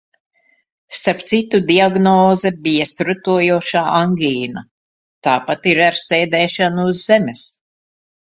Starp citu, diagnoze bija strutojošā angīna. Tāpat ir ar sēdēšanu uz zemes.